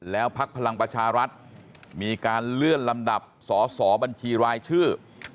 แล้วพักพลังประชารัฐมีการเลื่อนลำดับสอสอบัญชีรายชื่อ